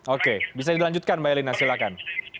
oke bisa dilanjutkan mbak elina silahkan